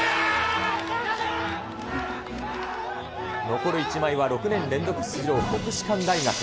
残る１枚は６年連続出場、国士舘大学。